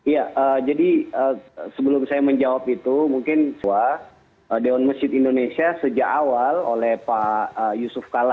ya jadi sebelum saya menjawab itu mungkin dewan masjid indonesia sejak awal oleh pak yusuf kala